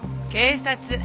警察。